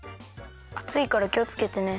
あついからきをつけてね。